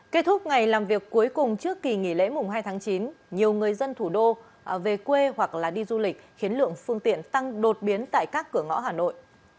kết thúc ngày làm việc cuối cùng trước kỳ nghỉ lễ mùng hai tháng chín nhiều người dân thủ đô về quê hoặc đi du lịch khiến lượng phương tiện tăng đột biến tại các cửa ngõ hà nội